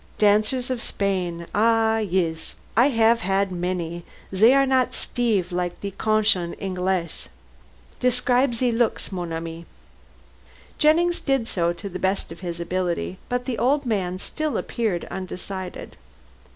Dancers of Spain. Ah, yis I haf had miny zey are not steef like ze cochon Englees. Describe ze looks, mon ami." Jennings did so, to the best of his ability, but the old man still appeared undecided.